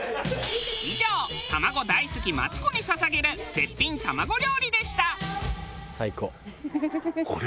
以上卵大好きマツコに捧げる絶品卵料理でした。